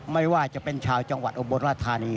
ไม่ว่าจะเป็นชาวจังหวัดอุบลราชธานี